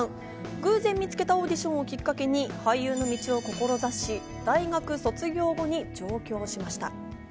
偶然見つけたオーディションをきっかけに俳優の道を志し、大学卒業後に上京しました。